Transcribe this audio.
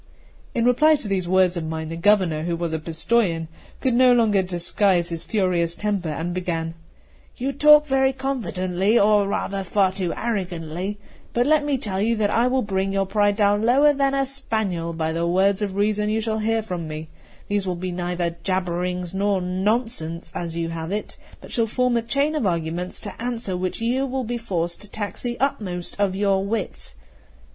In reply to these words of mine, the Governor, who was a Pistojan, could no longer disguise his furious temper, and began: "You talk very confidently, or rather far too arrogantly; but let me tell you that I will bring your pride down lower than a spaniel by the words of reason you shall hear from me; these will be neither jabberings nor nonsense, as you have it, but shall form a chain of arguments to answer which you will be forced to tax the utmost of your wits.